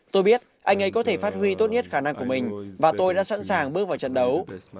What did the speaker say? tôi biết anh ấy có thể phát huy tốt nhất khả năng của mình và tôi đã sẵn sàng bước vào trận đấu